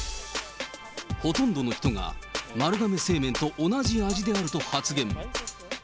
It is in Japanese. ほとんどの人が丸亀製麺と同じ味であると発言。